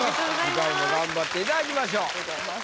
次回も頑張っていただきましょう。